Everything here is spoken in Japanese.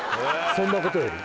そんなことより？